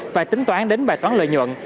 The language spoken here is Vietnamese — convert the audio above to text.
và tính toán đến bài toán lợi nhuận